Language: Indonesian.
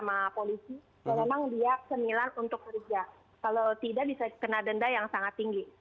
kalau tidak bisa kena denda yang sangat tinggi